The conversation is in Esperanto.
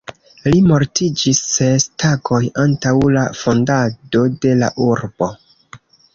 Li mortiĝis ses tagoj antaŭ la fondado de la urbo.